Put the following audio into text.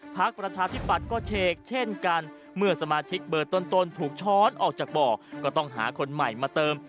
ประชาธิปัตย์ก็เฉกเช่นกันเมื่อสมาชิกเบอร์ต้นถูกช้อนออกจากบ่อก็ต้องหาคนใหม่มาเติม